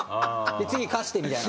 次貸してみたいな。